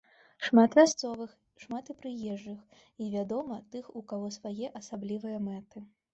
Шмат мясцовых, шмат і прыезджых і, вядома, тых, у каго свае асаблівыя мэты.